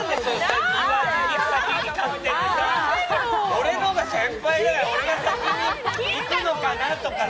俺の方が先輩だよ、俺の方が先にいくのかなとか。